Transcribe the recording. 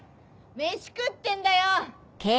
メシ食ってんだよ！